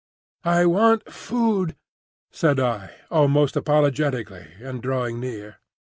"I want food," said I, almost apologetically, and drawing near.